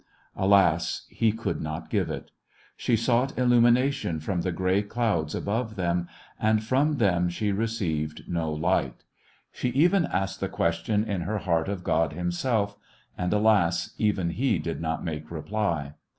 Alas, he could not give it. She sought illumination from the gray clouds above them, and from The West Was Young them she received no light. She even asked the question in her heart of Grod Himself 9 and, alas, even He did not make reply.